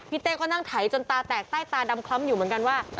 เต้ก็นั่งไถจนตาแตกใต้ตาดำคล้ำอยู่เหมือนกันว่า